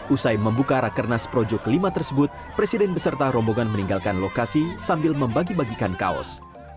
usai membuka rakernas projo kelima tersebut presiden beserta rombongan meninggalkan lokasi sambil membagi bagikan kaos